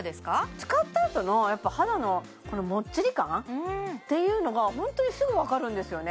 使ったあとの肌のもっちり感っていうのがホントにすぐ分かるんですよね